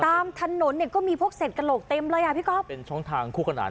ตามถนนเนี่ยก็มีพวกเศษกระโหลกเต็มเลยอ่ะพี่ก๊อฟเป็นช่องทางคู่ขนาน